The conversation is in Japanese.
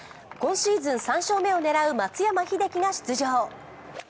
今シーズン３勝目を狙う、松山英樹が出場。